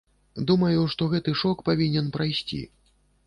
Думаю, што гэты шок павінен прайсці.